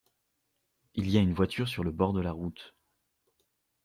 Il y a une voiture sur le bord de la route.